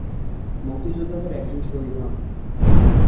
মুক্তিযোদ্ধাদের একজন শহীদ হন।